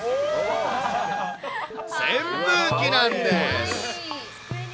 扇風機なんです。